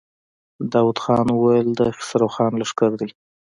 داوود خان وويل: د خسرو خان لښکر دی.